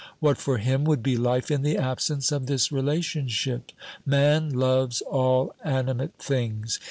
What for him would be life in the absence of this relationship ? Man loves all animate things.